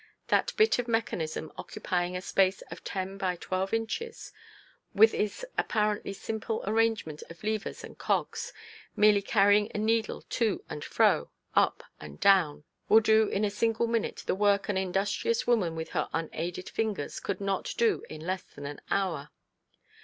That bit of mechanism occupying a space of 10 x 12 inches, with its apparently simple arrangement of levers and cogs, merely carrying a needle to and fro, up and down, will do in a single minute the work an industrious woman with her unaided fingers could not do in less than an hour.